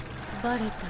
バレた？